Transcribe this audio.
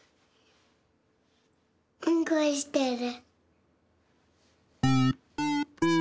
うんこしてる。